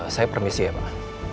saya permisi ya pak